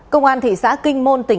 công an thị xã kinh môn tỉnh an giang